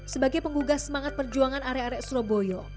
sebagai penggugah semangat perjuangan are are surabaya